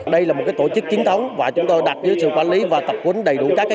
đây là một tổ chức chiến thống và chúng tôi đặt dưới sự quản lý và tập quýnh đầy đủ các